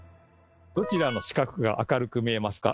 どちらの四角が明るく見えますか？